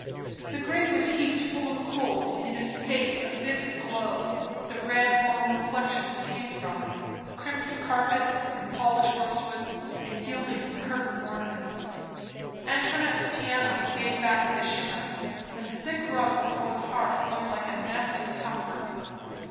The grate was heaped full of coals in a state of vivid glow, the red warm reflections came from, crimson carpet and polished rosewood and gilding of curtain ornaments. Antoinette's piano gave back the shimmer, and the thick rug before the hearth looked like a nest of comfort.